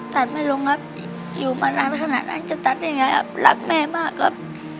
ตัดไม่ลงครับอยู่มานานขนาดนั้นจะตัดยังไงครับรักแม่มากครับ